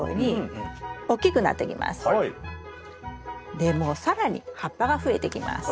でも更に葉っぱが増えてきます。